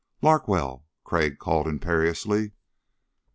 "Larkwell." Crag called imperiously.